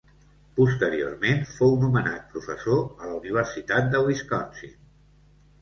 Posteriorment fou nomenat professor a la Universitat de Wisconsin.